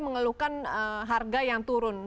mengeluhkan harga yang turun